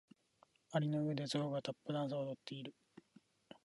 蟻の上でゾウがタップダンスを踊っている。